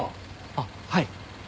あっはい。